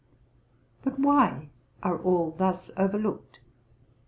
But why are all thus overlooked?